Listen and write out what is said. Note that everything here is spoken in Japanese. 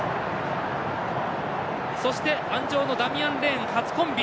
そして鞍上のダミアン・レーン初コンビ。